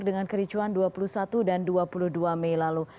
dengan kericuan dua puluh satu dan dua puluh dua mei lalu